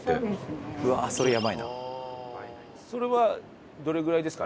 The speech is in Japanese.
それはどれぐらいですかね？